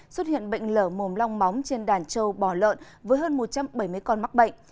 xuất hiện bệnh lở mồm long móng trên đàn trâu bò lợn với hơn một trăm bảy mươi con mắc bệnh